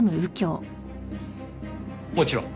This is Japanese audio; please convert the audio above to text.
もちろん。